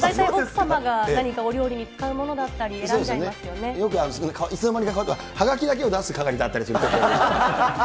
大体奥さまが何か料理に使うものだったり、よく、あるのはいつの間にか、はがきだけを出す係だったりするけど。